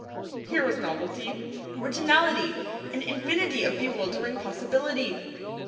Here is novelty, originality, an infinity of bewildering possibility.